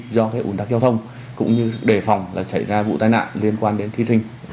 do cái ùn tóc giao thông cũng như để phòng là xảy ra vụ tai nạn liên quan đến thí sinh